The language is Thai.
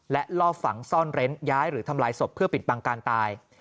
และลอบฝังซ่อนเร้นย้ายหรือทำลายศพเพื่อปิดบังการตาย